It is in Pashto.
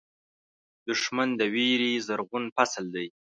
دښمن د وېرې زرغون فصل دی